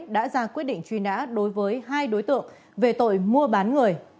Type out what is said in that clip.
đã ra quyết định truy nã đối với hai đối tượng về tội mua bán người